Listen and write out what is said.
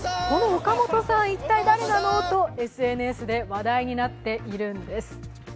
このオカモトさん、一体誰なのとＳＮＳで話題になっているんです。